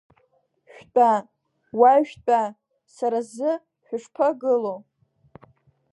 Шәтәа, уа шәтәа, сара сзы шәышԥагыло.